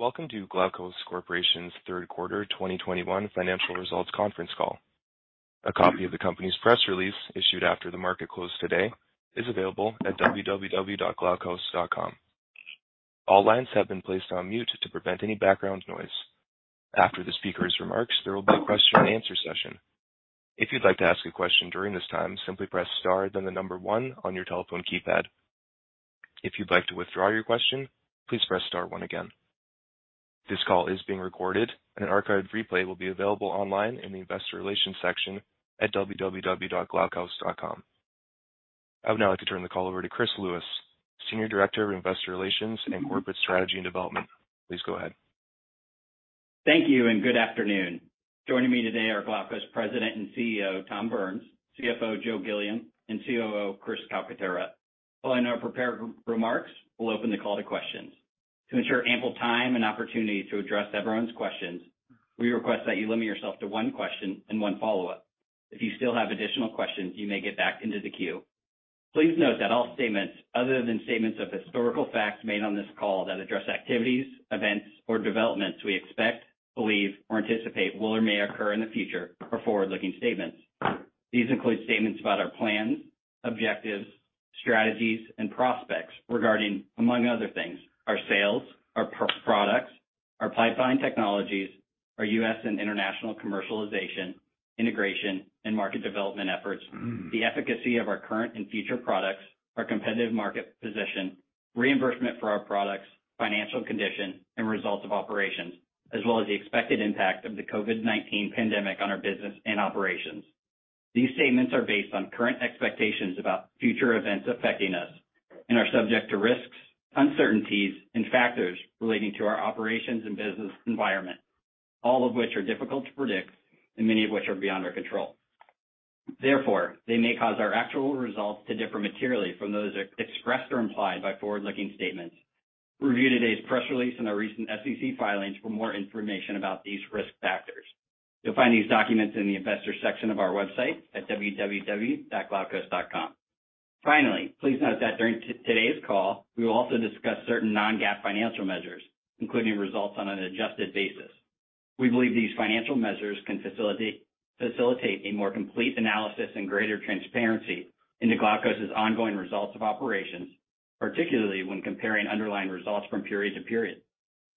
Welcome to Glaukos Corporation's Third Quarter 2021 Financial Results Conference Call. A copy of the company's press release, issued after the market closed today, is available at www.glaukos.com. All lines have been placed on mute to prevent any background noise. After the speaker's remarks, there will be a question and answer session. If you'd like to ask a question during this time, simply press star then the number one on your telephone keypad. If you'd like to withdraw your question, please press star one again. This call is being recorded and an archived replay will be available online in the investor relations section at www.glaukos.com. I would now like to turn the call over to Chris Lewis, Senior Director of Investor Relations and Corporate Strategy and Development. Please go ahead. Thank you and good afternoon. Joining me today are Glaukos President and CEO Tom Burns, CFO Joe Gilliam, and COO Chris Calcaterra. Following our prepared remarks, we'll open the call to questions. To ensure ample time and opportunity to address everyone's questions, we request that you limit yourself to one question and one follow-up. If you still have additional questions, you may get back into the queue. Please note that all statements other than statements of historical facts made on this call that address activities, events, or developments we expect, believe, or anticipate will or may occur in the future are forward-looking statements. These include statements about our plans, objectives, strategies, and prospects regarding, among other things, our sales, our products, our pipeline technologies, our U.S. and international commercialization, integration, and market development efforts, the efficacy of our current and future products, our competitive market position, reimbursement for our products, financial condition, and results of operations, as well as the expected impact of the COVID-19 pandemic on our business and operations. These statements are based on current expectations about future events affecting us and are subject to risks, uncertainties, and factors relating to our operations and business environment, all of which are difficult to predict and many of which are beyond our control. Therefore, they may cause our actual results to differ materially from those expressed or implied by forward-looking statements. Review today's press release and our recent SEC filings for more information about these risk factors. You'll find these documents in the investor section of our website at www.glaukos.com. Finally, please note that during today's call, we will also discuss certain non-GAAP financial measures, including results on an adjusted basis. We believe these financial measures can facilitate a more complete analysis and greater transparency into Glaukos' ongoing results of operations, particularly when comparing underlying results from period to period.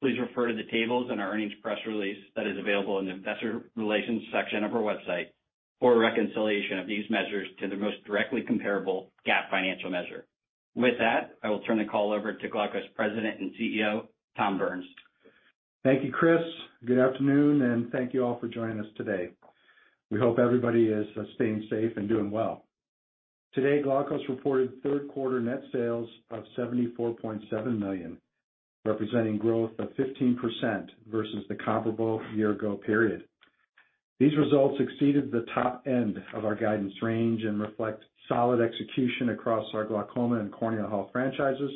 Please refer to the tables in our earnings press release that is available in the investor relations section of our website for a reconciliation of these measures to the most directly comparable GAAP financial measure. With that, I will turn the call over to Glaukos President and CEO, Tom Burns. Thank you, Chris. Good afternoon, and thank you all for joining us today. We hope everybody is staying safe and doing well. Today, Glaukos reported third quarter net sales of $74.7 million, representing growth of 15% versus the comparable year ago period. These results exceeded the top end of our guidance range and reflect solid execution across our glaucoma and corneal health franchises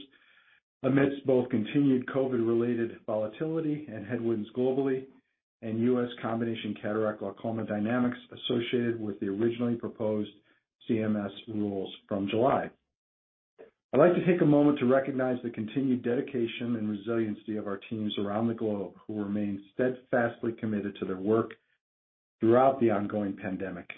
amidst both continued COVID-related volatility and headwinds globally and U.S. combination cataract glaucoma dynamics associated with the originally proposed CMS rules from July. I'd like to take a moment to recognize the continued dedication and resiliency of our teams around the globe who remain steadfastly committed to their work throughout the ongoing pandemic.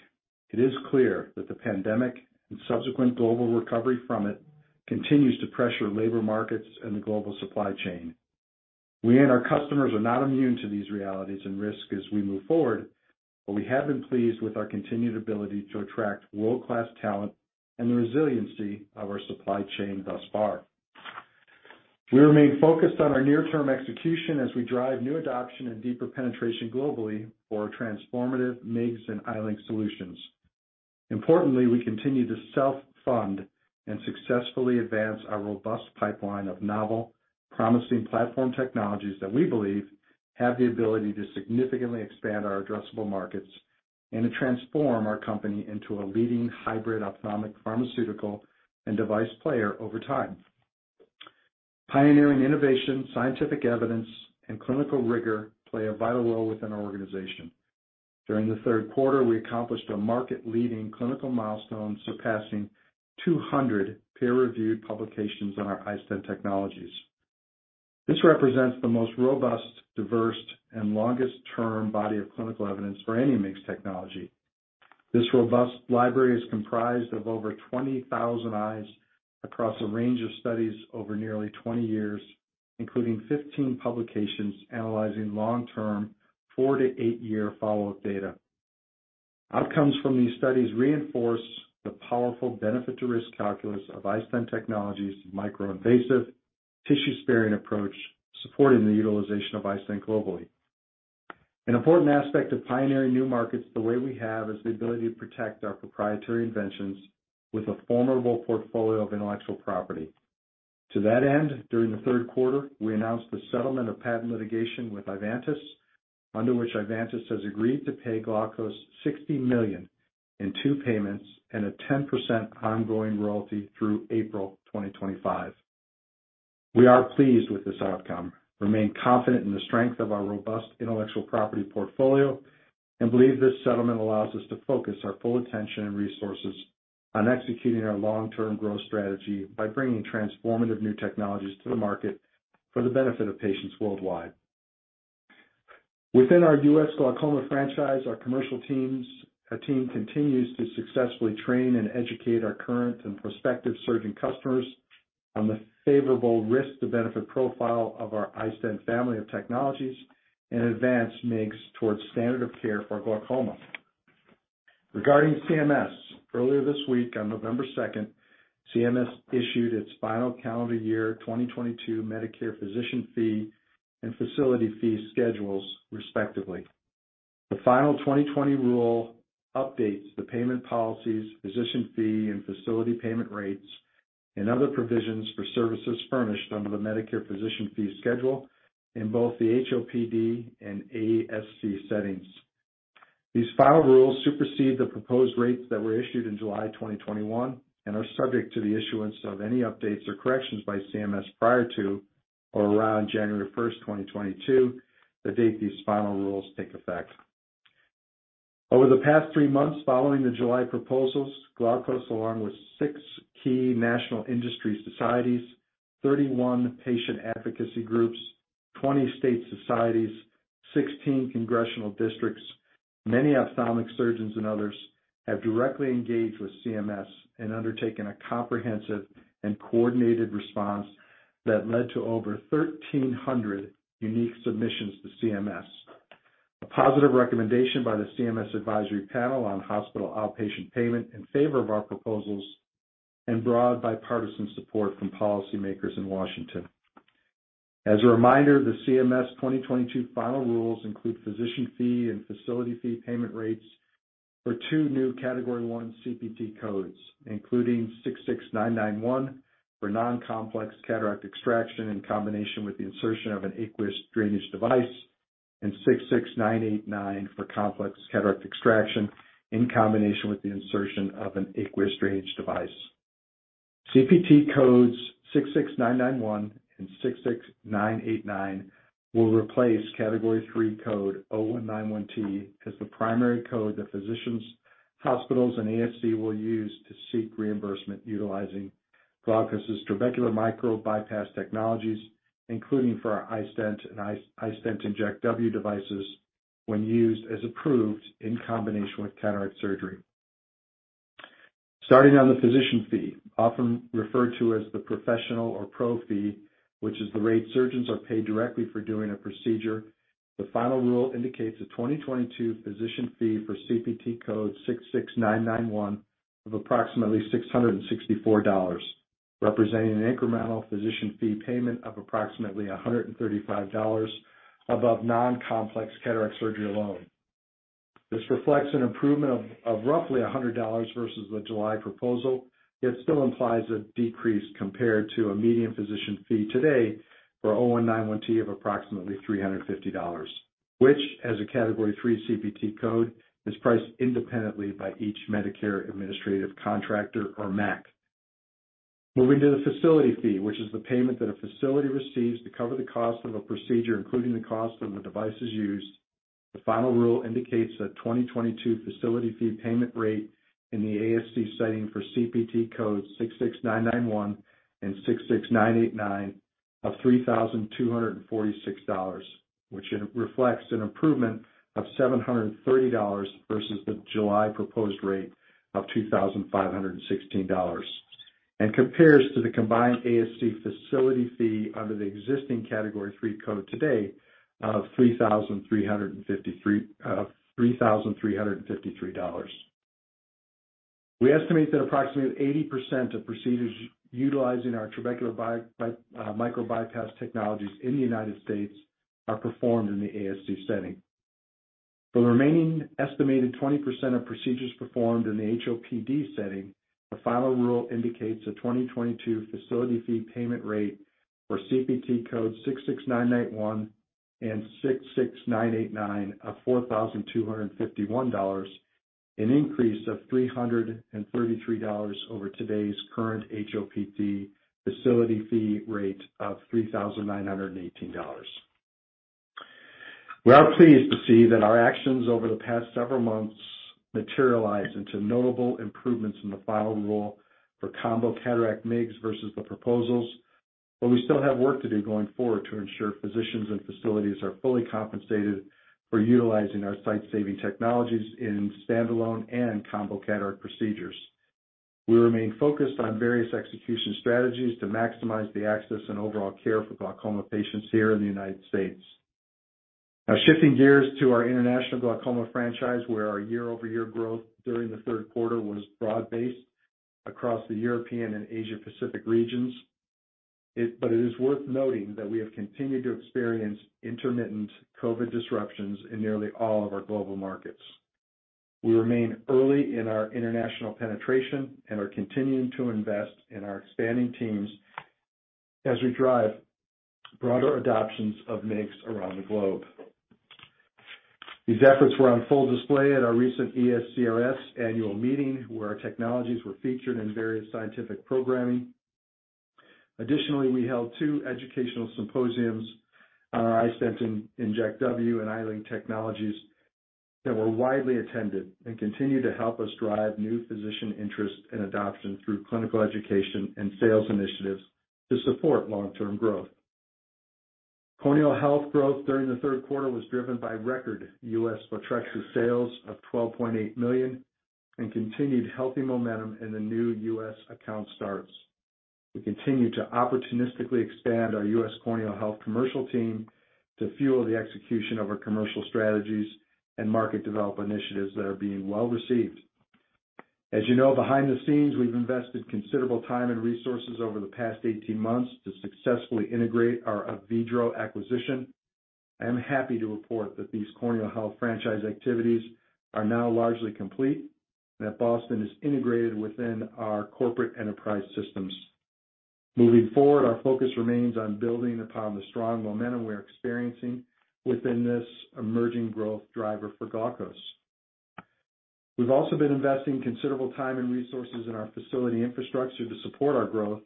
It is clear that the pandemic and subsequent global recovery from it continues to pressure labor markets and the global supply chain. We and our customers are not immune to these realities and risk as we move forward, but we have been pleased with our continued ability to attract world-class talent and the resiliency of our supply chain thus far. We remain focused on our near-term execution as we drive new adoption and deeper penetration globally for our transformative MIGS and iLink solutions. Importantly, we continue to self-fund and successfully advance our robust pipeline of novel, promising platform technologies that we believe have the ability to significantly expand our addressable markets and to transform our company into a leading hybrid ophthalmic pharmaceutical and device player over time. Pioneering innovation, scientific evidence, and clinical rigor play a vital role within our organization. During the third quarter, we accomplished a market-leading clinical milestone, surpassing 200 peer-reviewed publications on our iStent technologies. This represents the most robust, diverse, and longest term body of clinical evidence for any MIGS technology. This robust library is comprised of over 20,000 eyes across a range of studies over nearly 20 years, including 15 publications analyzing long-term four to eight year follow-up data. Outcomes from these studies reinforce the powerful benefit to risk calculus of iStent technologies' micro-invasive tissue sparing approach, supporting the utilization of iStent globally. An important aspect of pioneering new markets the way we have is the ability to protect our proprietary inventions with a formidable portfolio of intellectual property. To that end, during the third quarter, we announced the settlement of patent litigation with Ivantis, under which Ivantis has agreed to pay Glaukos $60 million in two payments and a 10% ongoing royalty through April 2025. We are pleased with this outcome, remain confident in the strength of our robust intellectual property portfolio, and believe this settlement allows us to focus our full attention and resources on executing our long-term growth strategy by bringing transformative new technologies to the market for the benefit of patients worldwide. Within our U.S. glaucoma franchise, our commercial team continues to successfully train and educate our current and prospective surgeon customers on the favorable risk to benefit profile of our iStent family of technologies and advanced MIGS towards standard of care for glaucoma. Regarding CMS, earlier this week on November 2nd, CMS issued its final calendar year 2022 Medicare physician fee and facility fee schedules, respectively. The final 2022 rule updates the payment policies, physician fee, and facility payment rates, and other provisions for services furnished under the Medicare physician fee schedule in both the HOPD and ASC settings. These final rules supersede the proposed rates that were issued in July 2021 and are subject to the issuance of any updates or corrections by CMS prior to or around January 1st, 2022, the date these final rules take effect. Over the past three months following the July proposals, Glaukos, along with six key national industry societies, 31 patient advocacy groups, 20 state societies, 16 congressional districts, many ophthalmic surgeons and others, have directly engaged with CMS and undertaken a comprehensive and coordinated response that led to over 1,300 unique submissions to CMS. A positive recommendation by the CMS advisory panel on hospital outpatient payment in favor of our proposals and broad bipartisan support from policymakers in Washington. As a reminder, the CMS 2022 final rules include physician fee and facility fee payment rates for two new category one CPT codes, including 66991 for non-complex cataract extraction in combination with the insertion of an aqueous drainage device, and 66989 for complex cataract extraction in combination with the insertion of an aqueous drainage device. CPT codes 66991 and 66989 will replace category three code 0191T as the primary code that physicians, hospitals, and ASC will use to seek reimbursement utilizing Glaukos' trabecular micro-bypass technologies, including for our iStent and iStent inject W devices when used as approved in combination with cataract surgery. Starting on the physician fee, often referred to as the professional or pro fee, which is the rate surgeons are paid directly for doing a procedure. The final rule indicates a 2022 physician fee for CPT code 66991 of approximately $664, representing an incremental physician fee payment of approximately $135 above non-complex cataract surgery alone. This reflects an improvement of roughly $100 versus the July proposal, yet still implies a decrease compared to a median physician fee today for 0191T of approximately $350, which, as a category three CPT code, is priced independently by each Medicare administrative contractor or MAC. Moving to the facility fee, which is the payment that a facility receives to cover the cost of a procedure, including the cost of the devices used. The final rule indicates that 2022 facility fee payment rate in the ASC setting for CPT code 66991 and 66989 of $3,246, which it reflects an improvement of $730 versus the July proposed rate of $2,516, and compares to the combined ASC facility fee under the existing category three code today of $3,353. We estimate that approximately 80% of procedures utilizing our trabecular micro-bypass technologies in the United States are performed in the ASC setting. For the remaining estimated 20% of procedures performed in the HOPD setting, the final rule indicates a 2022 facility fee payment rate for CPT code 66991 and 66989 of $4,251, an increase of $333 over today's current HOPD facility fee rate of $3,918. We are pleased to see that our actions over the past several months materialize into notable improvements in the final rule for combo cataract MIGS versus the proposals, but we still have work to do going forward to ensure physicians and facilities are fully compensated for utilizing our sight-saving technologies in standalone and combo cataract procedures. We remain focused on various execution strategies to maximize the access and overall care for glaucoma patients here in the United States. Now shifting gears to our international glaucoma franchise, where our year-over-year growth during the third quarter was broad-based across the European and Asia Pacific regions. It is worth noting that we have continued to experience intermittent COVID disruptions in nearly all of our global markets. We remain early in our international penetration and are continuing to invest in our expanding teams as we drive broader adoptions of MIGS around the globe. These efforts were on full display at our recent ESCRS annual meeting, where our technologies were featured in various scientific programming. Additionally, we held two educational symposiums on our iStent inject W and iLink technologies that were widely attended and continue to help us drive new physician interest and adoption through clinical education and sales initiatives to support long-term growth. Corneal health growth during the third quarter was driven by record U.S. Photrexa sales of $12.8 million and continued healthy momentum in the new U.S. account starts. We continue to opportunistically expand our U.S. corneal health commercial team to fuel the execution of our commercial strategies and market development initiatives that are being well received. As you know, behind the scenes we've invested considerable time and resources over the past 18 months to successfully integrate our Avedro acquisition. I am happy to report that these corneal health franchise activities are now largely complete, and that Boston is integrated within our corporate enterprise systems. Moving forward, our focus remains on building upon the strong momentum we are experiencing within this emerging growth driver for Glaukos. We've also been investing considerable time and resources in our facility infrastructure to support our growth,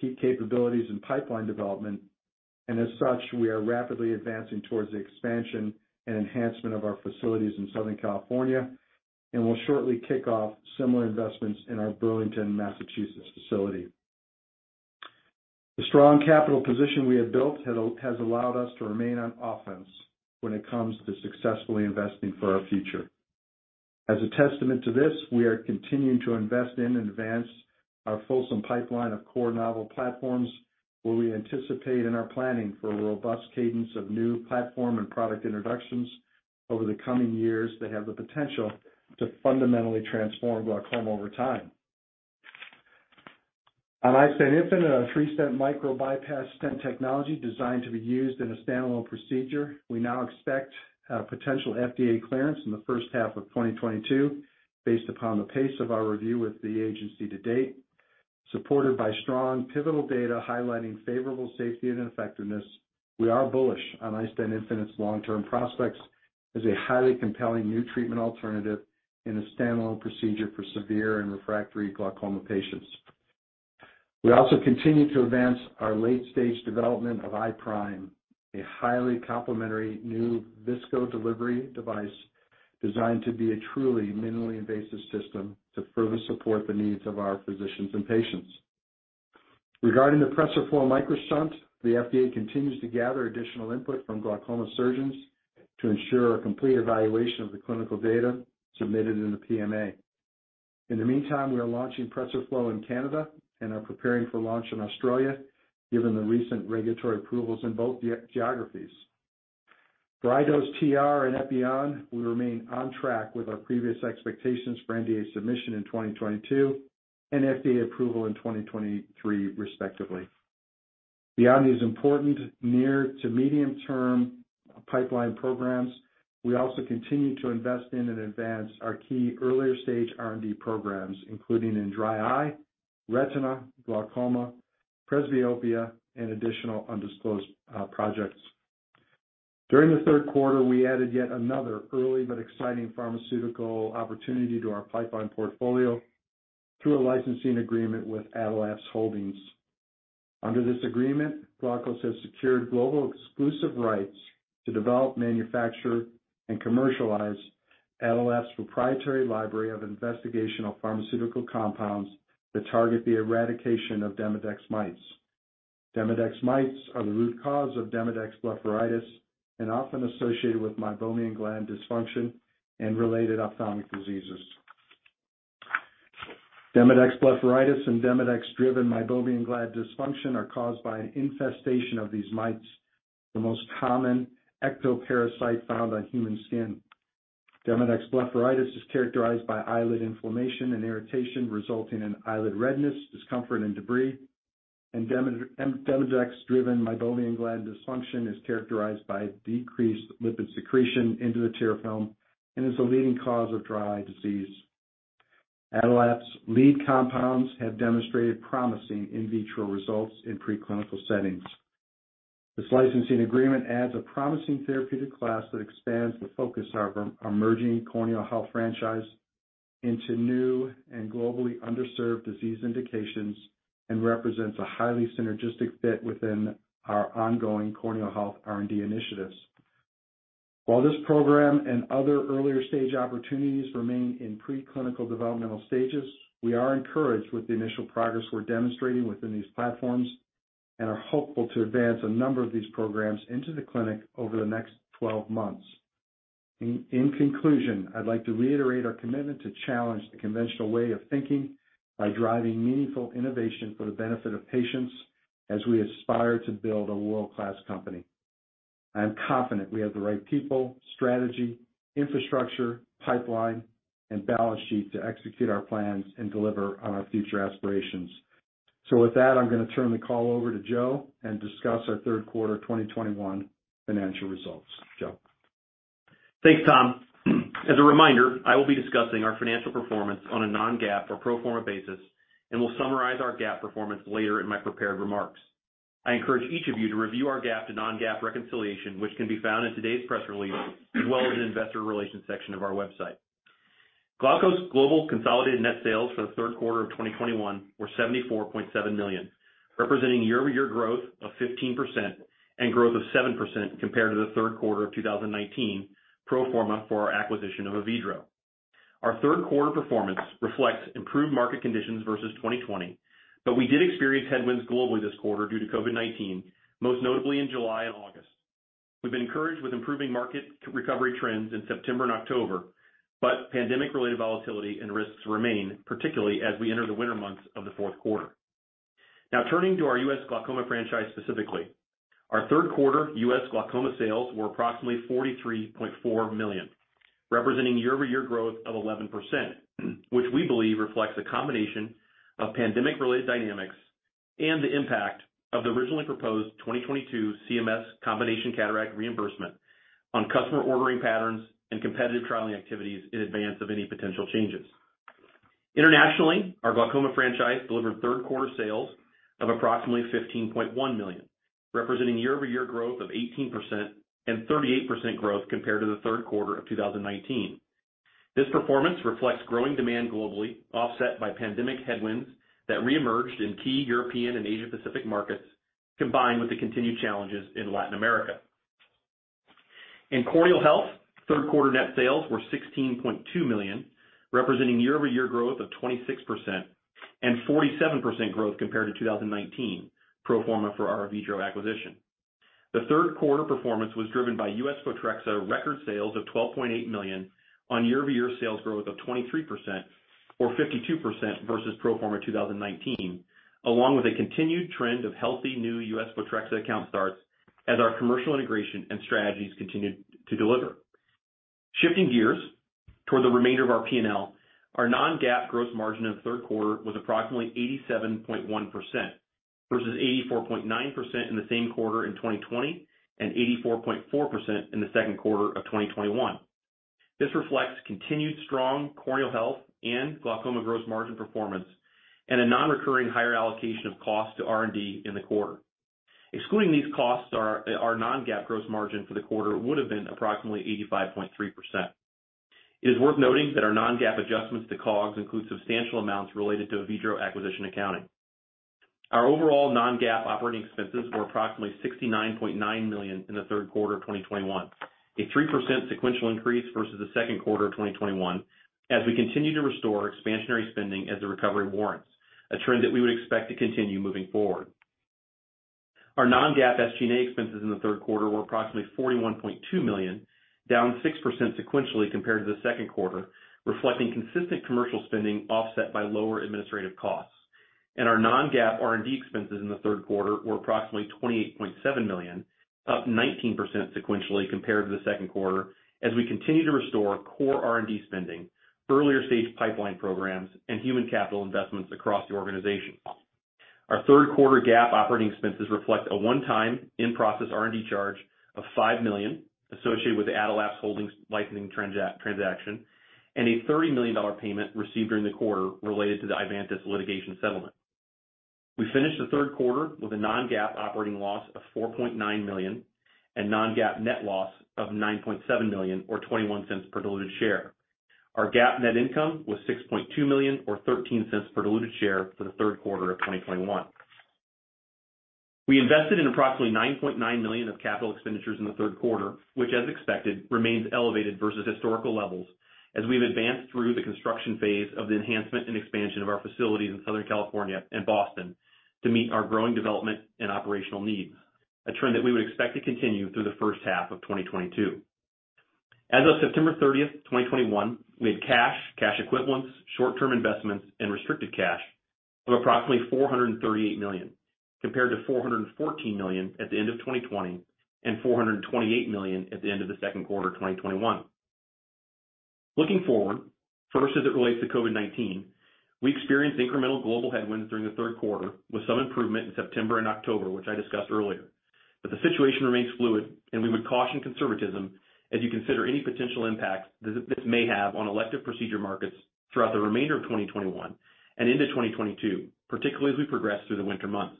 key capabilities, and pipeline development. As such, we are rapidly advancing towards the expansion and enhancement of our facilities in Southern California, and will shortly kick off similar investments in our Burlington, Massachusetts facility. The strong capital position we have built has allowed us to remain on offense when it comes to successfully investing for our future. As a testament to this, we are continuing to invest in and advance our fulsome pipeline of core novel platforms, where we anticipate in our planning for a robust cadence of new platform and product introductions over the coming years that have the potential to fundamentally transform glaucoma over time. On iStent infinite, a three-stent micro-bypass stent technology designed to be used in a standalone procedure, we now expect potential FDA clearance in the first half of 2022 based upon the pace of our review with the agency to date, supported by strong pivotal data highlighting favorable safety and effectiveness. We are bullish on iStent infinite's long-term prospects as a highly compelling new treatment alternative in a standalone procedure for severe and refractory glaucoma patients. We also continue to advance our late-stage development of iPRIME, a highly complementary new visco delivery device designed to be a truly minimally invasive system to further support the needs of our physicians and patients. Regarding the PRESERFLO MicroShunt, the FDA continues to gather additional input from glaucoma surgeons to ensure a complete evaluation of the clinical data submitted in the PMA. In the meantime, we are launching PRESERFLO in Canada and are preparing for launch in Australia, given the recent regulatory approvals in both geographies. iDose TR and Epi-On, we remain on track with our previous expectations for NDA submission in 2022 and FDA approval in 2023, respectively. Beyond these important near to medium term pipeline programs, we also continue to invest in and advance our key earlier stage R&D programs, including in dry eye, retina, glaucoma, presbyopia, and additional undisclosed projects. During the third quarter, we added yet another early but exciting pharmaceutical opportunity to our pipeline portfolio through a licensing agreement with Attillaps Holdings. Under this agreement, Glaukos has secured global exclusive rights to develop, manufacture, and commercialize Attillaps' proprietary library of investigational pharmaceutical compounds that target the eradication of Demodex mites. Demodex mites are the root cause of Demodex blepharitis and often associated with meibomian gland dysfunction and related ophthalmic diseases. Demodex blepharitis and Demodex-driven meibomian gland dysfunction are caused by an infestation of these mites, the most common ectoparasite found on human skin. Demodex blepharitis is characterized by eyelid inflammation and irritation, resulting in eyelid redness, discomfort, and debris. Demodex-driven meibomian gland dysfunction is characterized by decreased lipid secretion into the tear film and is a leading cause of dry eye disease. Attillaps' lead compounds have demonstrated promising in vitro results in preclinical settings. This licensing agreement adds a promising therapeutic class that expands the focus of our emerging corneal health franchise into new and globally underserved disease indications and represents a highly synergistic fit within our ongoing corneal health R&D initiatives. While this program and other earlier stage opportunities remain in preclinical developmental stages, we are encouraged with the initial progress we're demonstrating within these platforms and are hopeful to advance a number of these programs into the clinic over the next 12 months. In conclusion, I'd like to reiterate our commitment to challenge the conventional way of thinking by driving meaningful innovation for the benefit of patients as we aspire to build a world-class company. I am confident we have the right people, strategy, infrastructure, pipeline, and balance sheet to execute our plans and deliver on our future aspirations. With that, I'm gonna turn the call over to Joe and discuss our third quarter 2021 financial results. Joe. Thanks, Tom. As a reminder, I will be discussing our financial performance on a non-GAAP or pro forma basis and will summarize our GAAP performance later in my prepared remarks. I encourage each of you to review our GAAP to non-GAAP reconciliation, which can be found in today's press release as well as in the investor relations section of our website. Glaukos' global consolidated net sales for the third quarter of 2021 were $74.7 million, representing 15% year-over-year growth and 7% growth compared to the third quarter of 2019, pro forma for our acquisition of Avedro. Our third quarter performance reflects improved market conditions versus 2020, but we did experience headwinds globally this quarter due to COVID-19, most notably in July and August. We've been encouraged with improving market recovery trends in September and October, but pandemic-related volatility and risks remain, particularly as we enter the winter months of the fourth quarter. Now turning to our U.S. glaucoma franchise specifically. Our third quarter U.S. glaucoma sales were approximately $43.4 million, representing year-over-year growth of 11%, which we believe reflects a combination of pandemic-related dynamics and the impact of the originally proposed 2022 CMS combination cataract reimbursement on customer ordering patterns and competitive trialing activities in advance of any potential changes. Internationally, our glaucoma franchise delivered third quarter sales of approximately $15.1 million, representing year-over-year growth of 18% and 38% growth compared to the third quarter of 2019. This performance reflects growing demand globally, offset by pandemic headwinds that reemerged in key European and Asia Pacific markets, combined with the continued challenges in Latin America. In corneal health, third quarter net sales were $16.2 million, representing year-over-year growth of 26% and 47% growth compared to 2019, pro forma for our Avedro acquisition. The third quarter performance was driven by U.S. Photrexa record sales of $12.8 million on year-over-year sales growth of 23% or 52% versus pro forma 2019, along with a continued trend of healthy new U.S. Photrexa account starts as our commercial integration and strategies continued to deliver. Shifting gears toward the remainder of our P&L. Our non-GAAP gross margin in the third quarter was approximately 87.1% versus 84.9% in the same quarter in 2020 and 84.4% in the second quarter of 2021. This reflects continued strong corneal health and glaucoma gross margin performance and a non-recurring higher allocation of costs to R&D in the quarter. Excluding these costs, our non-GAAP gross margin for the quarter would have been approximately 85.3%. It is worth noting that our non-GAAP adjustments to COGS include substantial amounts related to Avedro acquisition accounting. Our overall non-GAAP operating expenses were approximately $69.9 million in the third quarter of 2021, a 3% sequential increase versus the second quarter of 2021 as we continue to restore expansionary spending as the recovery warrants, a trend that we would expect to continue moving forward. Our non-GAAP SG&A expenses in the third quarter were approximately $41.2 million, down 6% sequentially compared to the second quarter, reflecting consistent commercial spending offset by lower administrative costs. Our non-GAAP R&D expenses in the third quarter were approximately $28.7 million, up 19% sequentially compared to the second quarter as we continue to restore core R&D spending, earlier stage pipeline programs, and human capital investments across the organization. Our third quarter GAAP operating expenses reflect a one-time in-process R&D charge of $5 million associated with the Attillaps Holdings licensing transaction and a $30 million payment received during the quarter related to the Ivantis litigation settlement. We finished the third quarter with a non-GAAP operating loss of $4.9 million and non-GAAP net loss of $9.7 million or $0.21 per diluted share. Our GAAP net income was $6.2 million or $0.13 per diluted share for the third quarter of 2021. We invested in approximately $9.9 million of capital expenditures in the third quarter, which as expected, remains elevated versus historical levels as we've advanced through the construction phase of the enhancement and expansion of our facilities in Southern California and Boston to meet our growing development and operational needs, a trend that we would expect to continue through the first half of 2022. As of September 30, 2021, we had cash equivalents, short-term investments, and restricted cash of approximately $438 million, compared to $414 million at the end of 2020 and $428 million at the end of the second quarter of 2021. Looking forward, first as it relates to COVID-19, we experienced incremental global headwinds during the third quarter with some improvement in September and October, which I discussed earlier. The situation remains fluid and we would caution conservatism as you consider any potential impacts this may have on elective procedure markets throughout the remainder of 2021 and into 2022, particularly as we progress through the winter months.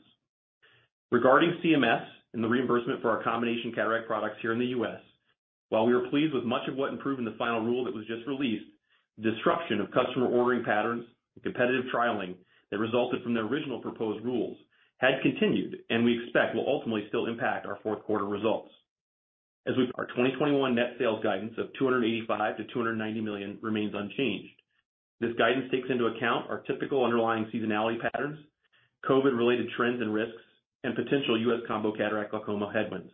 Regarding CMS and the reimbursement for our combination cataract products here in the U.S., while we are pleased with much of what improved in the final rule that was just released, disruption of customer ordering patterns and competitive trialing that resulted from the original proposed rules had continued and we expect will ultimately still impact our fourth quarter results. Our 2021 net sales guidance of $285 million-$290 million remains unchanged. This guidance takes into account our typical underlying seasonality patterns, COVID-related trends and risks, and potential U.S. combo cataract glaucoma headwinds.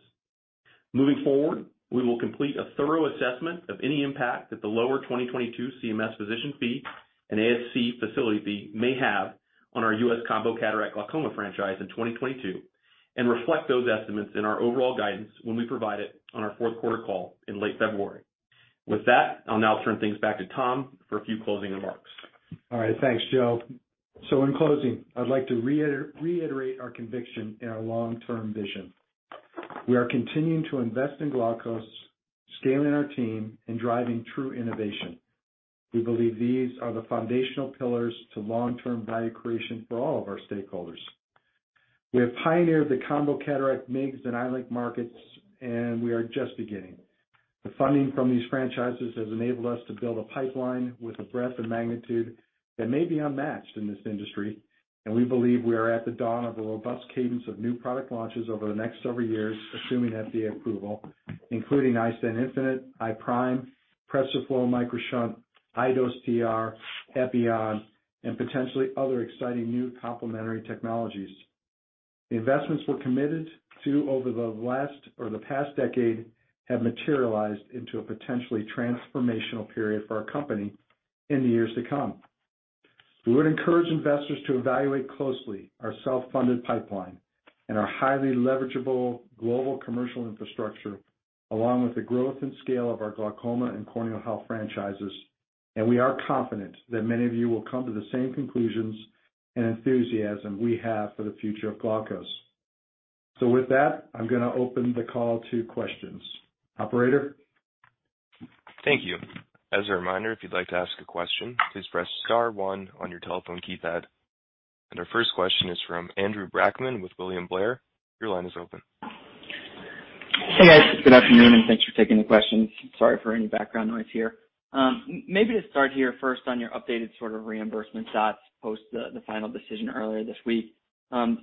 Moving forward, we will complete a thorough assessment of any impact that the lower 2022 CMS physician fee and ASC facility fee may have on our U.S. combo cataract glaucoma franchise in 2022 and reflect those estimates in our overall guidance when we provide it on our fourth quarter call in late February. With that, I'll now turn things back to Tom for a few closing remarks. All right. Thanks, Joe. In closing, I'd like to reiterate our conviction in our long-term vision. We are continuing to invest in Glaukos, scaling our team, and driving true innovation. We believe these are the foundational pillars to long-term value creation for all of our stakeholders. We have pioneered the combo cataract MIGS and iLink markets, and we are just beginning. The funding from these franchises has enabled us to build a pipeline with a breadth and magnitude that may be unmatched in this industry. We believe we are at the dawn of a robust cadence of new product launches over the next several years, assuming FDA approval, including iStent infinite, iPRIME, PRESERFLO MicroShunt, iDose TR, Epi-On, and potentially other exciting new complementary technologies. The investments we're committed to over the past decade have materialized into a potentially transformational period for our company in the years to come. We would encourage investors to evaluate closely our self-funded pipeline and our highly leverageable global commercial infrastructure, along with the growth and scale of our glaucoma and corneal health franchises. We are confident that many of you will come to the same conclusions and enthusiasm we have for the future of Glaukos. With that, I'm gonna open the call to questions. Operator? Thank you. As a reminder, if you'd like to ask a question, please press star one on your telephone keypad. Our first question is from Andrew Brackmann with William Blair. Your line is open. Hey, guys. Good afternoon, and thanks for taking the questions. Sorry for any background noise here. Maybe to start here first on your updated sort of reimbursement thoughts post the final decision earlier this week.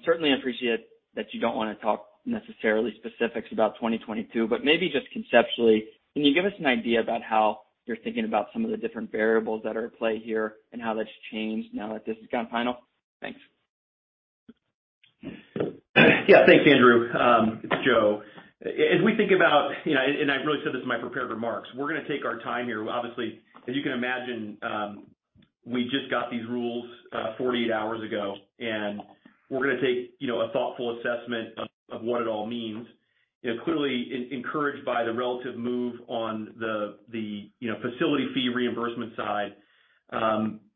Certainly appreciate that you don't wanna talk necessarily specifics about 2022, but maybe just conceptually, can you give us an idea about how you're thinking about some of the different variables that are at play here and how that's changed now that this is gone final? Thanks. Yeah. Thanks, Andrew. It's Joe. As we think about, you know, and I really said this in my prepared remarks, we're gonna take our time here. Obviously, as you can imagine, we just got these rules 48 hours ago, and we're gonna take, you know, a thoughtful assessment of what it all means. You know, clearly encouraged by the relative move on the facility fee reimbursement side,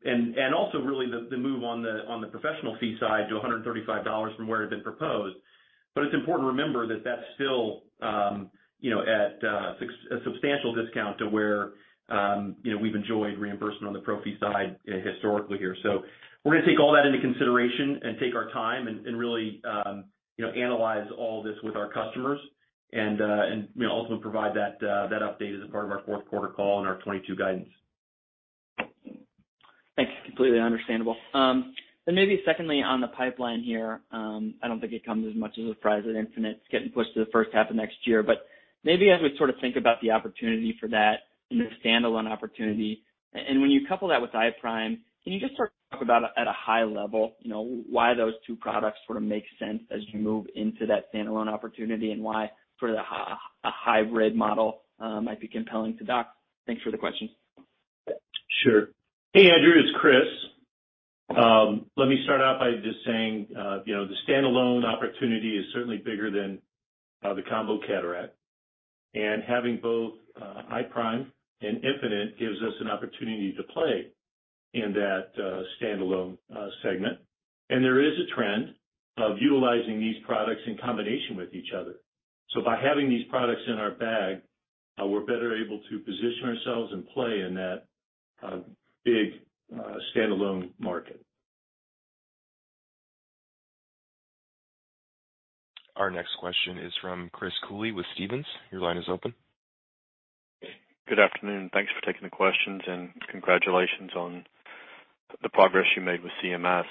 and also really the move on the professional fee side to $135 from where it had been proposed. It's important to remember that that's still, you know, at a substantial discount to where, you know, we've enjoyed reimbursement on the pro fee side historically here. We're gonna take all that into consideration and take our time and really, you know, analyze all this with our customers and, you know, ultimately provide that update as a part of our fourth quarter call and our 2022 guidance. Thanks. Completely understandable. Maybe secondly, on the pipeline here, I don't think it comes as much as a surprise that iStent infinite's getting pushed to the first half of next year. Maybe as we sort of think about the opportunity for that in the standalone opportunity, and when you couple that with iPRIME, can you just sort of talk about at a high level, you know, why those two products sort of make sense as you move into that standalone opportunity and why sort of a hybrid model might be compelling to docs? Thanks for the question. Sure. Hey, Andrew, it's Chris. Let me start out by just saying, you know, the standalone opportunity is certainly bigger than the combo cataract. Having both iPRIME and iStent infinite gives us an opportunity to play in that standalone segment. There is a trend of utilizing these products in combination with each other. By having these products in our bag, we're better able to position ourselves and play in that big standalone market. Our next question is from Chris Cooley with Stephens. Your line is open. Good afternoon. Thanks for taking the questions, and congratulations on the progress you made with CMS.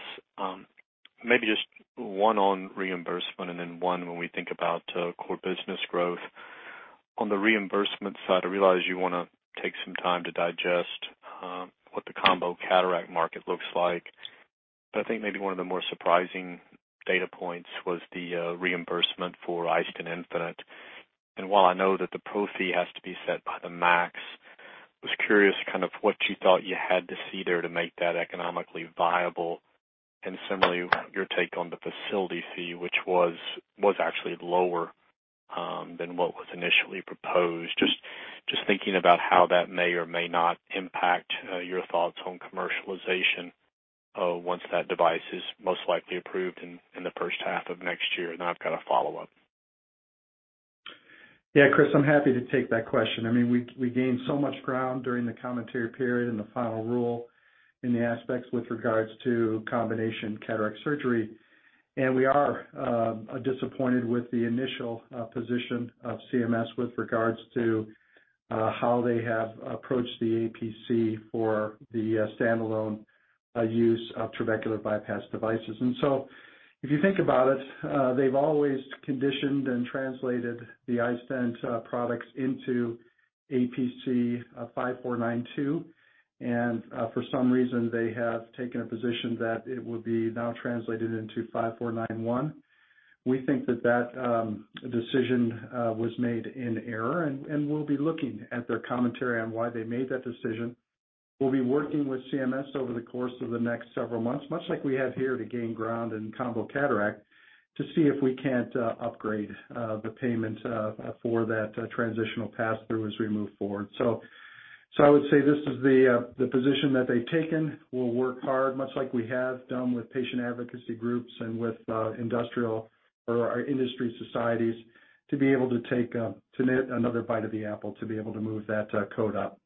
Maybe just one on reimbursement and then one when we think about core business growth. On the reimbursement side, I realize you wanna take some time to digest what the combo cataract market looks like. I think maybe one of the more surprising data points was the reimbursement for iStent infinite. While I know that the pro fee has to be set by the MAC, I was curious kind of what you thought you had to see there to make that economically viable. Similarly, your take on the facility fee, which was actually lower than what was initially proposed. Just thinking about how that may or may not impact your thoughts on commercialization once that device is most likely approved in the first half of next year. I've got a follow-up. Yeah, Chris, I'm happy to take that question. I mean, we gained so much ground during the commentary period and the final rule in the aspects with regards to combination cataract surgery, and we are disappointed with the initial position of CMS with regards to how they have approached the APC for the standalone use of trabecular bypass devices. If you think about it, they've always conditioned and translated the iStent products into APC 5492, and for some reason, they have taken a position that it will be now translated into APC 5491. We think that decision was made in error, and we'll be looking at their commentary on why they made that decision. We'll be working with CMS over the course of the next several months, much like we have here to gain ground in combo cataract, to see if we can't upgrade the payment for that transitional pass-through as we move forward. I would say this is the position that they've taken. We'll work hard, much like we have done with patient advocacy groups and with industrial or industry societies to be able to take another bite at the apple to be able to move that code up.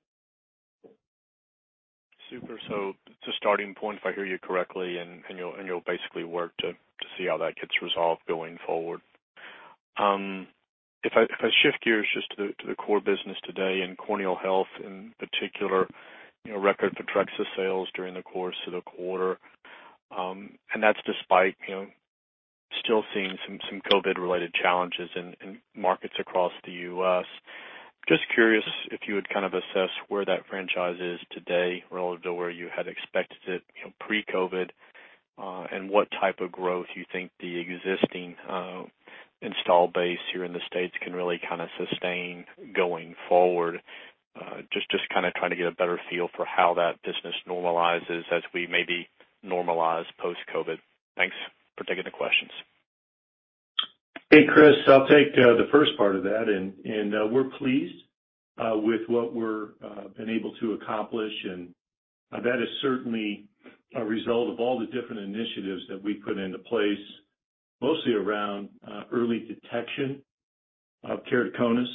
Super. It's a starting point if I hear you correctly, and you'll basically work to see how that gets resolved going forward. If I shift gears just to the core business today in corneal health in particular, you know, record for Photrexa sales during the course of the quarter, and that's despite, you know, still seeing some COVID-related challenges in markets across the U.S. Just curious if you would kind of assess where that franchise is today relative to where you had expected it, you know, pre-COVID, and what type of growth you think the existing install base here in the States can really kind of sustain going forward. Just kinda trying to get a better feel for how that business normalizes as we maybe normalize post-COVID. Thanks for taking the questions. Hey, Chris, I'll take the first part of that. We're pleased with what we've been able to accomplish, and that is certainly a result of all the different initiatives that we put into place, mostly around early detection of keratoconus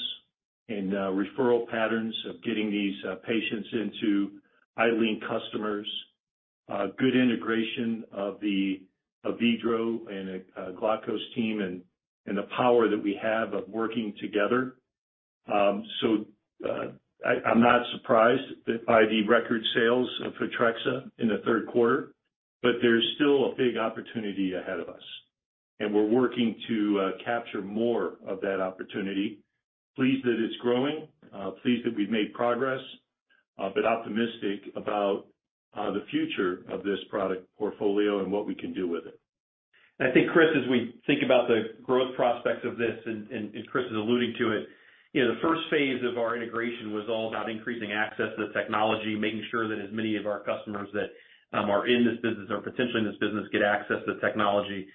and referral patterns of getting these patients into iLink customers. Good integration of the Avedro and Glaukos team and the power that we have of working together. I'm not surprised by the record sales of Photrexa in the third quarter, but there's still a big opportunity ahead of us, and we're working to capture more of that opportunity. Pleased that it's growing, pleased that we've made progress, but optimistic about the future of this product portfolio and what we can do with it. I think, Chris, as we think about the growth prospects of this, Chris is alluding to it, you know, the first phase of our integration was all about increasing access to the technology, making sure that as many of our customers that are in this business or potentially in this business get access to technology.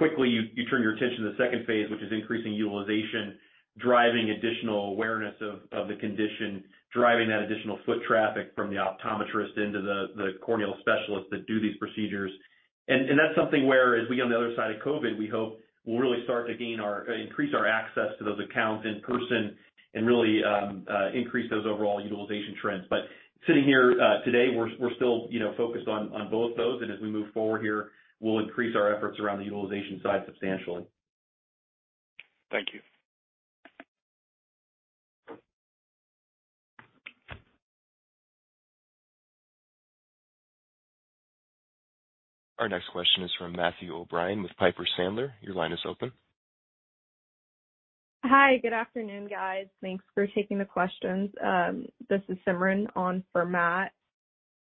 Quickly you turn your attention to the second phase, which is increasing utilization, driving additional awareness of the condition, driving that additional foot traffic from the optometrist into the corneal specialists that do these procedures. That's something where as we get on the other side of COVID, we hope we'll really start to increase our access to those accounts in person and really increase those overall utilization trends. Sitting here today, we're still, you know, focused on both of those, and as we move forward here, we'll increase our efforts around the utilization side substantially. Thank you. Our next question is from Matthew O'Brien with Piper Sandler. Your line is open. Hi. Good afternoon, guys. Thanks for taking the questions. This is Simran on for Matt.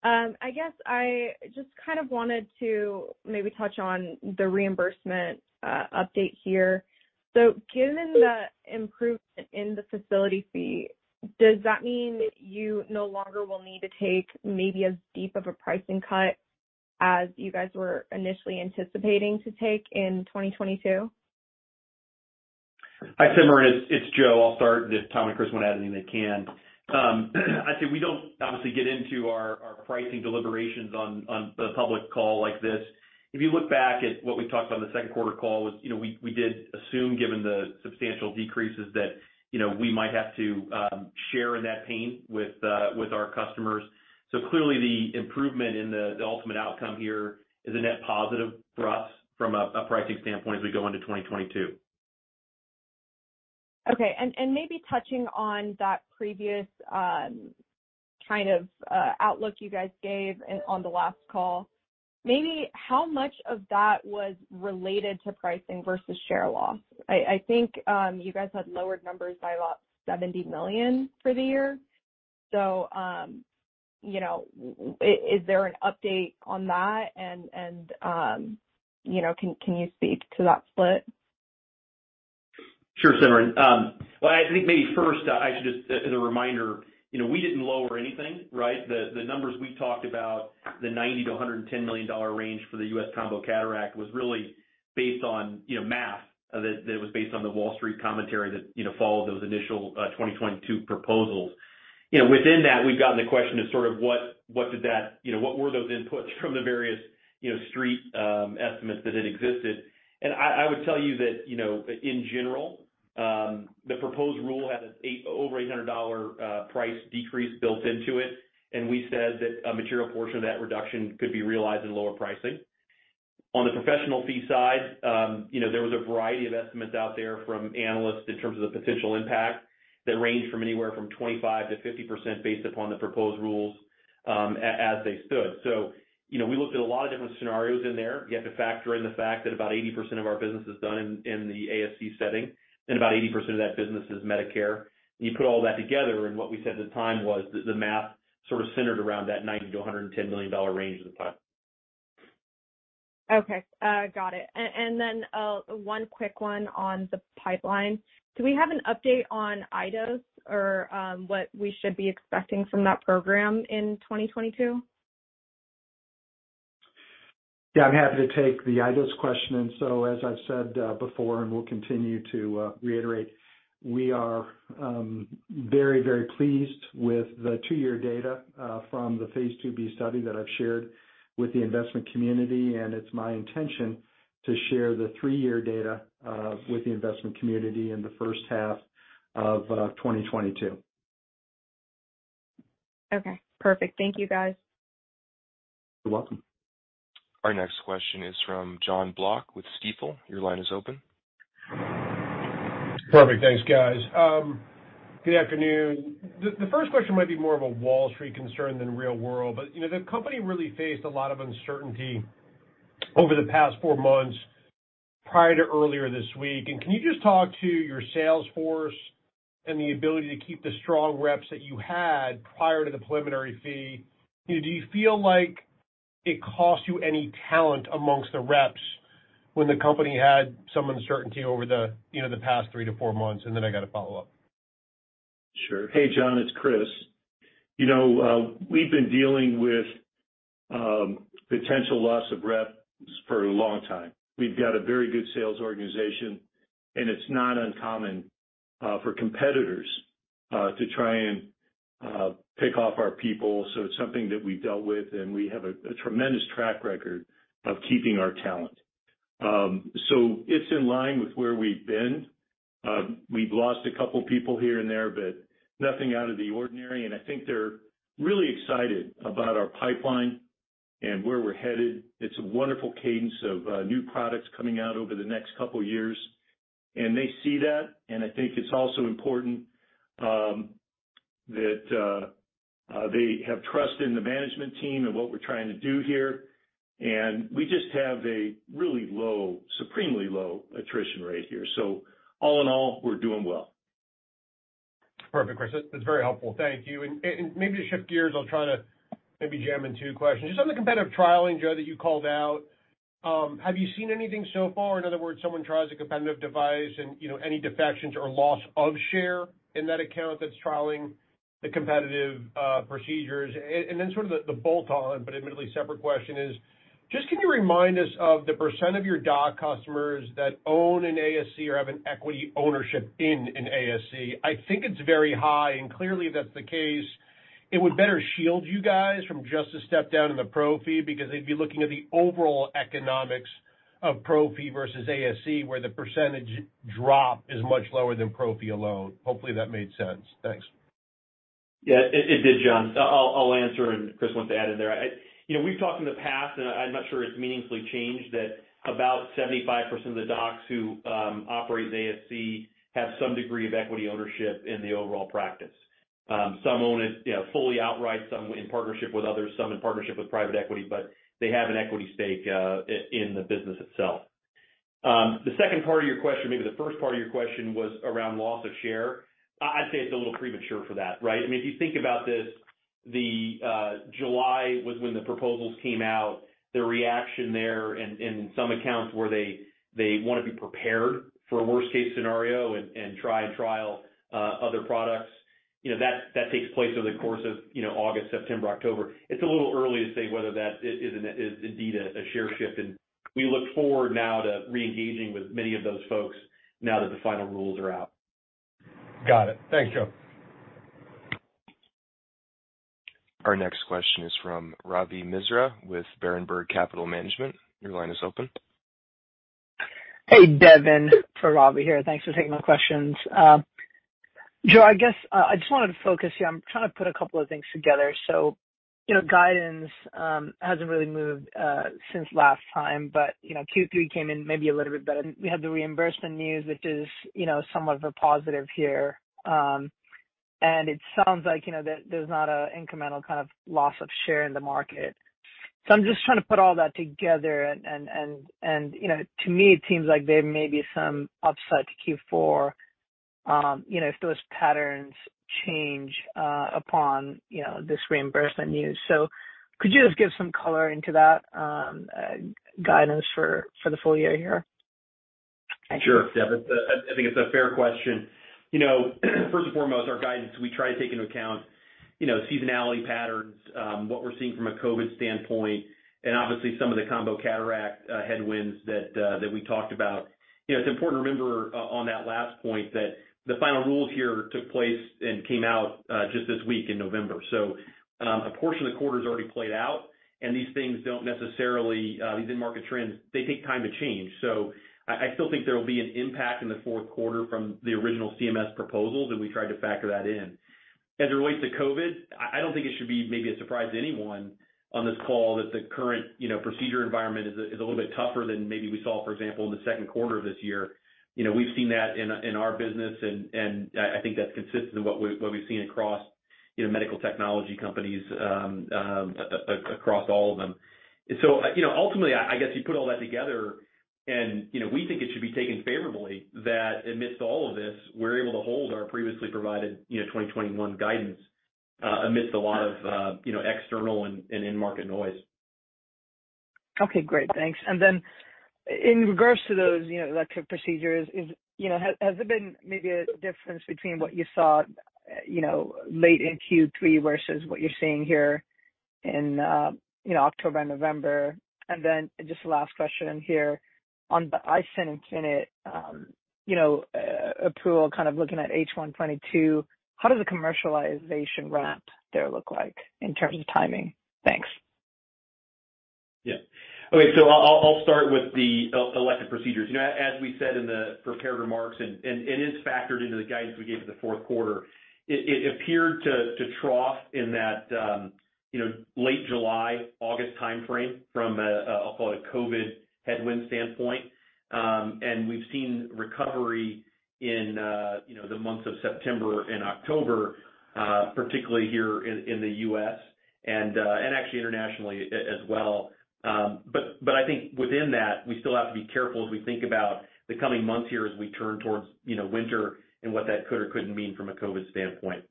I guess I just kind of wanted to maybe touch on the reimbursement update here. Given the improvement in the facility fee, does that mean you no longer will need to take maybe as deep of a pricing cut as you guys were initially anticipating to take in 2022? Hi, Simran. It's Joe. I'll start if Tom and Chris want to add anything they can. I'd say we don't obviously get into our pricing deliberations on a public call like this. If you look back at what we talked on the second quarter call was, you know, we did assume given the substantial decreases that, you know, we might have to share in that pain with our customers. Clearly the improvement in the ultimate outcome here is a net positive for us from a pricing standpoint as we go into 2022. Okay. Maybe touching on that previous kind of outlook you guys gave on the last call, maybe how much of that was related to pricing versus share loss? I think you guys had lowered numbers by about $70 million for the year. Is there an update on that and you know, can you speak to that split? Sure, Simran. I think maybe first I should just as a reminder, you know, we didn't lower anything, right? The numbers we talked about, the $90 million-$110 million range for the U.S. combo cataract was really based on, you know, math that was based on the Wall Street commentary that, you know, followed those initial 2022 proposals. You know, within that, we've gotten the question of sort of what did that, you know, what were those inputs from the various, you know, Street estimates that had existed. I would tell you that, you know, in general, the proposed rule had its over $800 price decrease built into it, and we said that a material portion of that reduction could be realized in lower pricing. On the professional fee side, you know, there was a variety of estimates out there from analysts in terms of the potential impact that ranged from anywhere from 25%-50% based upon the proposed rules, as they stood. You know, we looked at a lot of different scenarios in there. You have to factor in the fact that about 80% of our business is done in the ASC setting, and about 80% of that business is Medicare. You put all that together, and what we said at the time was the math sort of centered around that $90 million-$110 million range at the time. Okay. Got it. One quick one on the pipeline. Do we have an update on iDose or what we should be expecting from that program in 2022? Yeah. I'm happy to take the iDose question. As I've said before and will continue to reiterate, we are very very pleased with the two-year data from the phase IIB study that I've shared with the investment community, and it's my intention to share the three-year data with the investment community in the first half of 2022. Okay, perfect. Thank you, guys. You're welcome. Our next question is from Jon Block with Stifel. Your line is open. Perfect. Thanks, guys. Good afternoon. The first question might be more of a Wall Street concern than real-world, but you know, the company really faced a lot of uncertainty over the past four months prior to earlier this week. Can you just talk to your sales force and the ability to keep the strong reps that you had prior to the preliminary injunction? You know, do you feel like it cost you any talent among the reps when the company had some uncertainty over the past three to four months? Then I got a follow-up. Sure. Hey, John, it's Chris. You know, we've been dealing with potential loss of reps for a long time. We've got a very good sales organization, and it's not uncommon for competitors to try and pick off our people. So it's something that we've dealt with, and we have a tremendous track record of keeping our talent. So it's in line with where we've been. We've lost a couple people here and there, but nothing out of the ordinary. I think they're really excited about our pipeline and where we're headed. It's a wonderful cadence of new products coming out over the next couple years, and they see that. I think it's also important that they have trust in the management team and what we're trying to do here. We just have a really low, supremely low attrition rate here. All in all, we're doing well. Perfect, Chris. That's very helpful. Thank you. And maybe to shift gears, I'll try to maybe jam in two questions. Just on the competitive trialing, Joe, that you called out, have you seen anything so far? In other words, someone tries a competitive device and, you know, any defections or loss of share in that account that's trialing the competitive procedures. And then sort of the bolt-on, but admittedly separate question is, just can you remind us of the percentage of your doc customers that own an ASC or have an equity ownership in an ASC? I think it's very high, and clearly that's the case. It would better shield you guys from just a step down in the pro fee because they'd be looking at the overall economics of pro fee versus ASC, where the percentage drop is much lower than pro fee alone. Hopefully that made sense. Thanks. Yeah, it did, John. I'll answer and if Chris wants to add in there. You know, we've talked in the past, and I'm not sure it's meaningfully changed, that about 75% of the docs who operate an ASC have some degree of equity ownership in the overall practice. Some own it, you know, fully outright, some in partnership with others, some in partnership with private equity, but they have an equity stake in the business itself. The second part of your question, maybe the first part of your question was around loss of share. I'd say it's a little premature for that, right? I mean, if you think about this, the July was when the proposals came out, the reaction there in some accounts where they wanna be prepared for a worst-case scenario and try and trial other products, you know, that takes place over the course of, you know, August, September, October. It's a little early to say whether that is indeed a share shift. We look forward now to re-engaging with many of those folks now that the final rules are out. Got it. Thanks, Joe. Our next question is from Ravi Misra with Berenberg Capital Markets. Your line is open. Hey, Devin for Ravi here. Thanks for taking my questions. Joe, I guess, I just wanted to focus here. I'm trying to put a couple of things together. You know, guidance hasn't really moved since last time, but you know, Q3 came in maybe a little bit better. We had the reimbursement news, which is you know, somewhat of a positive here. It sounds like you know, that there's not an incremental kind of loss of share in the market. I'm just trying to put all that together and you know, to me, it seems like there may be some upside to Q4 you know, if those patterns change upon you know, this reimbursement news. Could you just give some color into that guidance for the full year here? Thank you. Sure, Devin. I think it's a fair question. You know, first and foremost, our guidance, we try to take into account, you know, seasonality patterns, what we're seeing from a COVID standpoint, and obviously some of the combo cataract headwinds that we talked about. You know, it's important to remember on that last point that the final rules here took place and came out just this week in November. A portion of the quarter's already played out, and these end market trends take time to change. I still think there will be an impact in the fourth quarter from the original CMS proposals, and we tried to factor that in. As it relates to COVID, I don't think it should be maybe a surprise to anyone on this call that the current, you know, procedure environment is a little bit tougher than maybe we saw, for example, in the second quarter of this year. You know, we've seen that in our business and I think that's consistent with what we've seen across, you know, medical technology companies, across all of them. You know, ultimately, I guess you put all that together and, you know, we think it should be taken favorably that amidst all of this, we're able to hold our previously provided, you know, 2021 guidance, amidst a lot of, you know, external and in-market noise. Okay, great. Thanks. In regards to those, you know, elective procedures, you know, has there been maybe a difference between what you saw, you know, late in Q3 versus what you're seeing here in, you know, October and November? Just the last question here on the iStent inject, you know, approval, kind of looking at H1 2022, how does the commercialization ramp there look like in terms of timing? Thanks. Yeah. Okay. I'll start with the elective procedures. You know, as we said in the prepared remarks and it is factored into the guidance we gave in the fourth quarter. It appeared to trough in that, you know, late July, August timeframe from what I'll call a COVID headwind standpoint. And we've seen recovery in, you know, the months of September and October, particularly here in the U.S. and actually internationally as well. But I think within that, we still have to be careful as we think about the coming months here as we turn towards, you know, winter and what that could or couldn't mean from a COVID standpoint.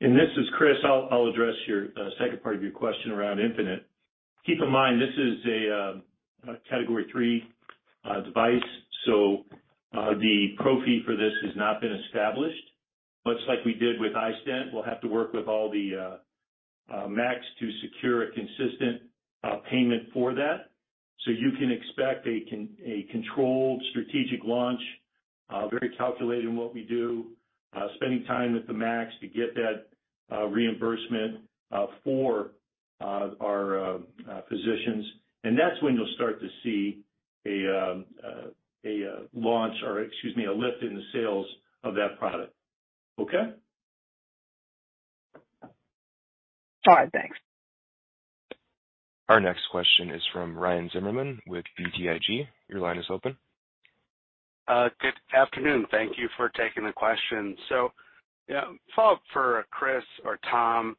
This is Chris. I'll address your second part of your question around iStent infinite. Keep in mind this is a Category III device, so the pro fee for this has not been established. Much like we did with iStent, we'll have to work with all the MACs to secure a consistent payment for that. You can expect a controlled strategic launch, very calculated in what we do, spending time with the MACs to get that reimbursement for our physicians. That's when you'll start to see a launch or excuse me, a lift in the sales of that product. Okay? All right. Thanks. Our next question is from Ryan Zimmerman with BTIG. Your line is open. Good afternoon. Thank you for taking the question. You know, a follow-up for Chris or Tom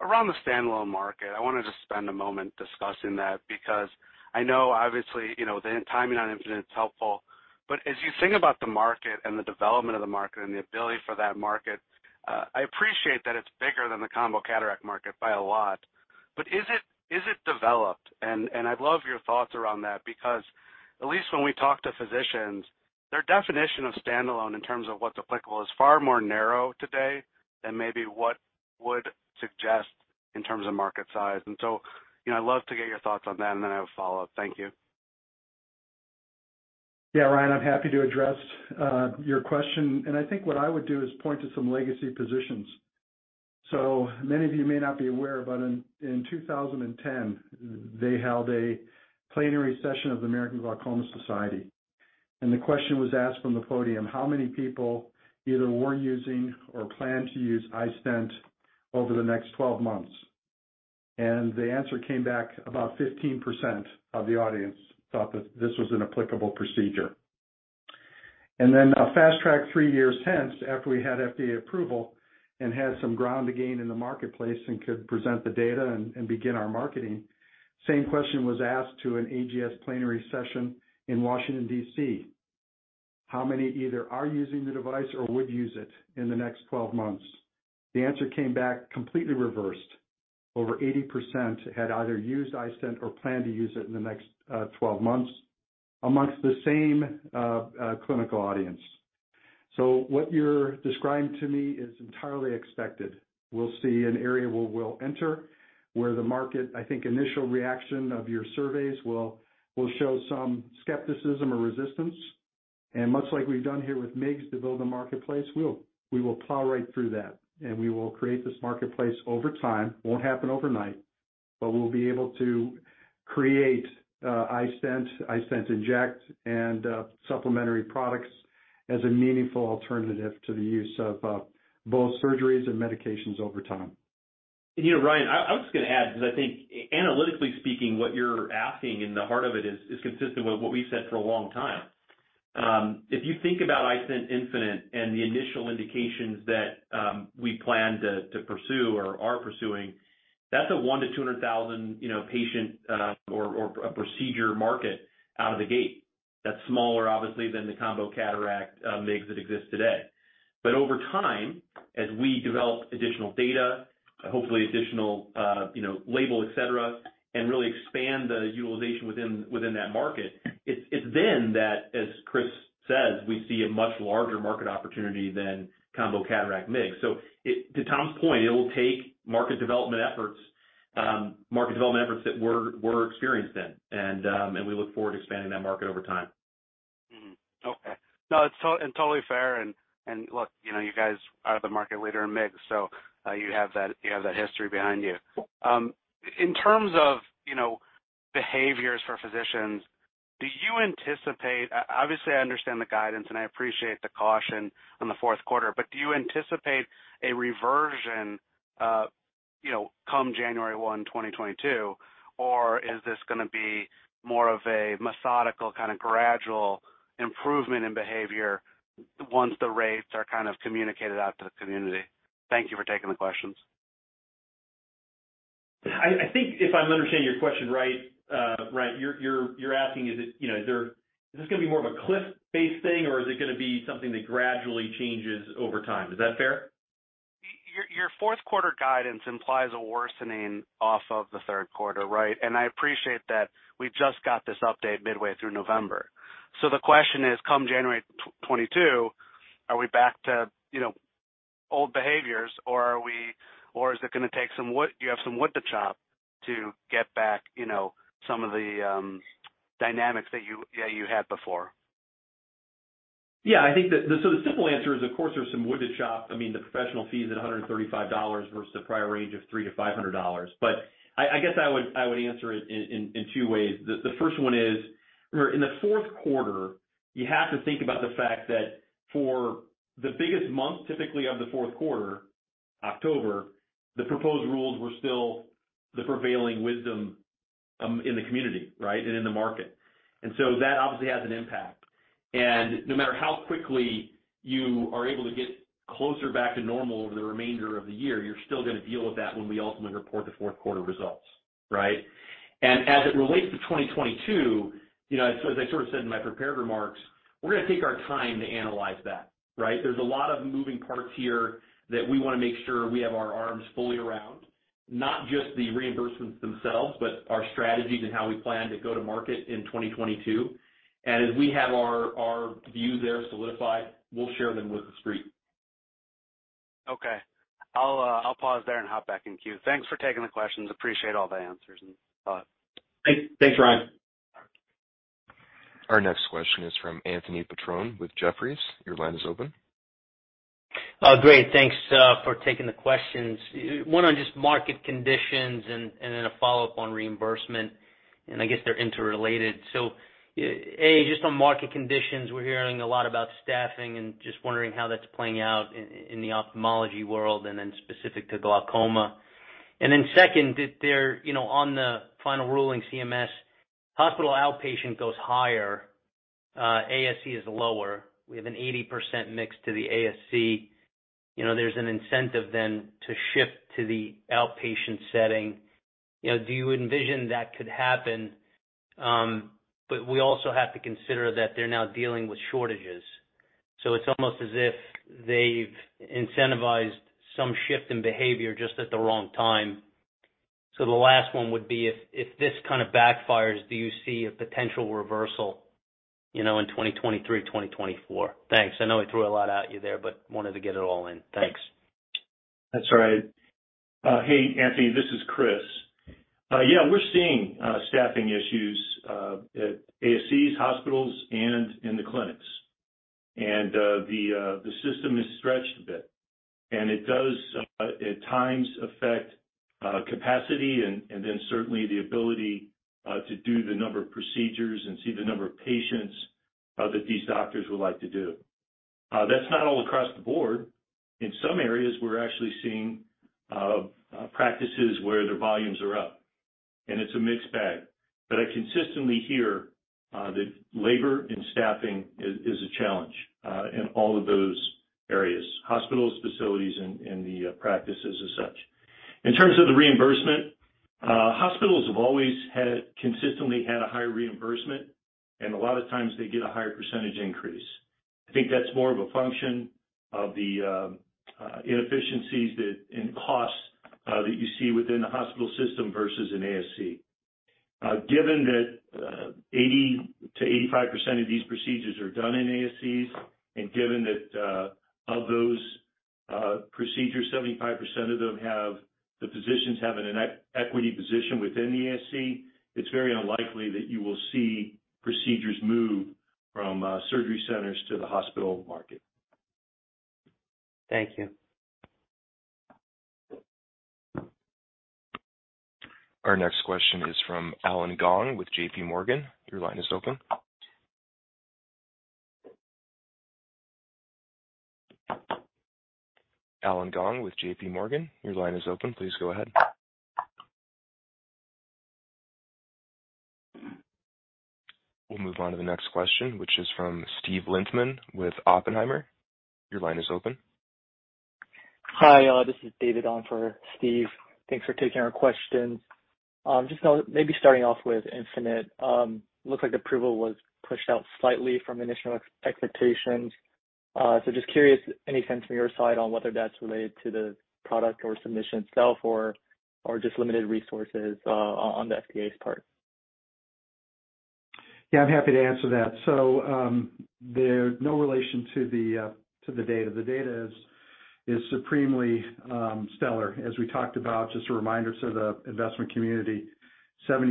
around the standalone market. I wanted to spend a moment discussing that because I know obviously, you know, the timing on iStent infinite is helpful. As you think about the market and the development of the market and the ability for that market, I appreciate that it's bigger than the combo cataract market by a lot. Is it developed? I'd love your thoughts around that because at least when we talk to physicians, their definition of standalone in terms of what's applicable is far more narrow today than maybe what would suggest in terms of market size. You know, I'd love to get your thoughts on that, and then I have a follow-up. Thank you. Yeah, Ryan, I'm happy to address your question, and I think what I would do is point to some legacy positions. Many of you may not be aware, but in 2010, they held a plenary session of the American Glaucoma Society. The question was asked from the podium, how many people either were using or plan to use iStent over the next 12 months? The answer came back about 15% of the audience thought that this was an applicable procedure. Then fast-forward three years hence, after we had FDA approval and had some ground to gain in the marketplace and could present the data and begin our marketing, same question was asked to an AGS plenary session in Washington, D.C. How many either are using the device or would use it in the next 12 months? The answer came back completely reversed. Over 80% had either used iStent or planned to use it in the next 12 months among the same clinical audience. What you're describing to me is entirely expected. We'll see an area where we'll enter, where the market, I think initial reaction of your surveys will show some skepticism or resistance. Much like we've done here with MIGS to build the marketplace, we will plow right through that, and we will create this marketplace over time. Won't happen overnight, but we'll be able to create iStent inject, and supplementary products as a meaningful alternative to the use of both surgeries and medications over time. You know, Ryan, I was gonna add because I think analytically speaking, what you're asking in the heart of it is consistent with what we've said for a long time. If you think about iStent infinite and the initial indications that we plan to pursue or are pursuing, that's a 100,000-200,000, you know, patient or a procedure market out of the gate. That's smaller obviously than the combo cataract MIGS that exist today. Over time, as we develop additional data, hopefully additional, you know, label, et cetera, and really expand the utilization within that market, it's then that, as Chris says, we see a much larger market opportunity than combo cataract MIGS. To Tom's point, it will take market development efforts that we're experienced in, and we look forward to expanding that market over time. Mm-hmm. Okay. No, it's and totally fair. Look, you know, you guys are the market leader in MIGS, so you have that history behind you. In terms of, you know, behaviors for physicians, do you anticipate, obviously I understand the guidance, and I appreciate the caution on the fourth quarter, but do you anticipate a reversion, you know, come January 1, 2022, or is this gonna be more of a methodical, kind of gradual improvement in behavior once the rates are kind of communicated out to the community? Thank you for taking the questions. I think if I'm understanding your question right, Ryan, you're asking is it, you know, is this gonna be more of a cliff-based thing, or is it gonna be something that gradually changes over time? Is that fair? Your fourth quarter guidance implies a worsening of the third quarter, right? I appreciate that we just got this update midway through November. The question is, come January 2022, are we back to, you know, old behaviors or do you have some wood to chop to get back, you know, some of the dynamics that you had before? Yeah, I think the simple answer is, of course, there's some wood to chop. I mean, the professional fee is at $135 versus the prior range of $300-$500. I guess I would answer it in two ways. The first one is, remember in the fourth quarter, you have to think about the fact that for the biggest month, typically of the fourth quarter, October, the proposed rules were still the prevailing wisdom in the community, right? In the market. That obviously has an impact. No matter how quickly you are able to get closer back to normal over the remainder of the year, you're still gonna deal with that when we ultimately report the fourth quarter results, right? As it relates to 2022, you know, as I sort of said in my prepared remarks, we're gonna take our time to analyze that, right? There's a lot of moving parts here that we wanna make sure we have our arms fully around, not just the reimbursements themselves, but our strategies and how we plan to go to market in 2022. As we have our view there solidified, we'll share them with the street. Okay. I'll pause there and hop back in queue. Thanks for taking the questions. Appreciate all the answers and thoughts. Thanks, Ryan. Our next question is from Anthony Petrone with Jefferies. Your line is open. Great. Thanks for taking the questions. One on just market conditions and then a follow-up on reimbursement, and I guess they're interrelated. A, just on market conditions, we're hearing a lot about staffing and just wondering how that's playing out in the ophthalmology world and then specific to glaucoma. Second, you know, on the final ruling, CMS hospital outpatient goes higher, ASC is lower. We have an 80% mix to the ASC. You know, there's an incentive then to shift to the outpatient setting. You know, do you envision that could happen? We also have to consider that they're now dealing with shortages. It's almost as if they've incentivized some shift in behavior just at the wrong time. The last one would be if this kind of backfires, do you see a potential reversal, you know, in 2023, 2024? Thanks. I know I threw a lot at you there, but wanted to get it all in. Thanks. That's all right. Hey, Anthony, this is Chris. Yeah, we're seeing staffing issues at ASCs, hospitals, and in the clinics. The system is stretched a bit, and it does at times affect capacity and then certainly the ability to do the number of procedures and see the number of patients that these doctors would like to do. That's not all across the board. In some areas, we're actually seeing practices where their volumes are up, and it's a mixed bag. I consistently hear that labor and staffing is a challenge in all of those areas, hospitals, facilities, and the practices as such. In terms of the reimbursement, hospitals have consistently had a high reimbursement, and a lot of times they get a higher percentage increase. I think that's more of a function of the inefficiencies and costs that you see within the hospital system versus an ASC. Given that 80%-85% of these procedures are done in ASCs and given that, of those procedures, 75% of them, the physicians have an equity position within the ASC, it's very unlikely that you will see procedures move from surgery centers to the hospital market. Thank you. Our next question is from Allen Gong with JPMorgan. Your line is open. Allen Gong with JPMorgan, your line is open. Please go ahead. We'll move on to the next question, which is from Steve Lichtman with Oppenheimer. Your line is open. Hi, this is David on for Steve. Thanks for taking our questions. Just maybe starting off with iStent infinite. Looks like approval was pushed out slightly from initial expectations. Just curious, any sense from your side on whether that's related to the product or submission itself or just limited resources on the FDA's part? Yeah, I'm happy to answer that. There's no relation to the data. The data is supremely stellar. As we talked about, just a reminder to the investment community, 76%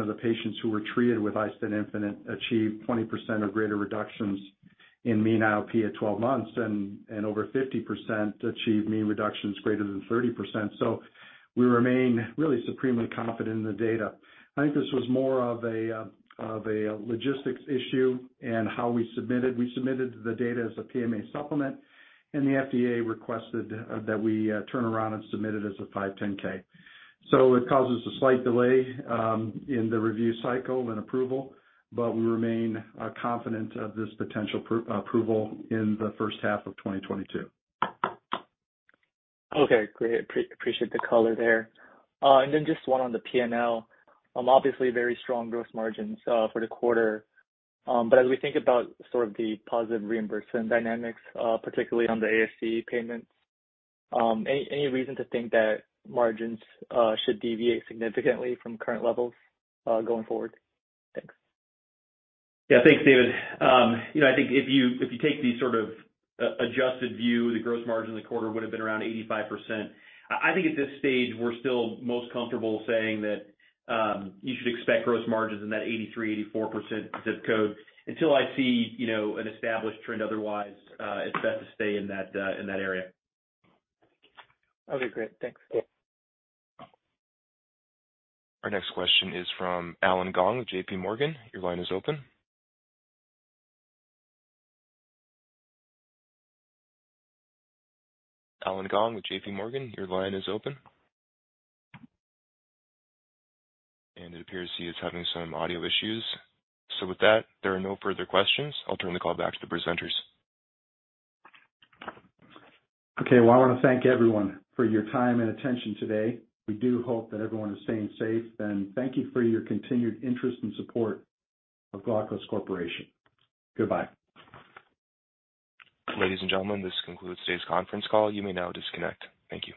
of the patients who were treated with iStent infinite achieved 20% or greater reductions in mean IOP at 12 months, and over 50% achieved mean reductions greater than 30%. We remain really supremely confident in the data. I think this was more of a logistics issue and how we submitted. We submitted the data as a PMA supplement, and the FDA requested that we turn around and submit it as a 510(k). It causes a slight delay in the review cycle and approval, but we remain confident of this potential approval in the first half of 2022. Okay, great. Appreciate the color there. Then just one on the P&L. Obviously very strong gross margins for the quarter. As we think about sort of the positive reimbursement dynamics, particularly on the ASC payments, any reason to think that margins should deviate significantly from current levels going forward? Thanks. Yeah. Thanks, David. I think if you take the sort of adjusted view, the gross margin in the quarter would have been around 85%. I think at this stage, we're still most comfortable saying that you should expect gross margins in that 83%-84% zip code. Until I see an established trend otherwise, it's best to stay in that area. Okay, great. Thanks. Our next question is from Allen Gong with JPMorgan. Your line is open. Allen Gong with JPMorgan, your line is open. It appears he is having some audio issues. With that, there are no further questions. I'll turn the call back to the presenters. Okay. Well, I wanna thank everyone for your time and attention today. We do hope that everyone is staying safe. Thank you for your continued interest and support of Glaukos Corporation. Goodbye. Ladies and gentlemen, this concludes today's conference call. You may now disconnect. Thank you.